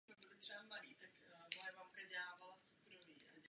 Při natáčení se nestal žádný vážnější úraz.